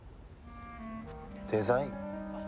デザイン？